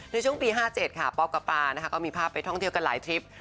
ในช่วงปี๕๗ค่ะป๊อกกะปานะคะก็มีภาพไปท่องเที่ยวกันหลายทริป